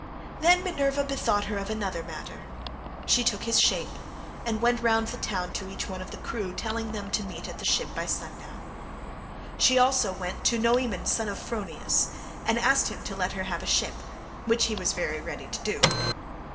Then Minerva bethought her of another matter. She took his shape, and went round the town to each one of the crew, telling them to meet at the ship by sundown. She went also to Noemon son of Phronius, and asked him to let her have a ship—which he was very ready to do.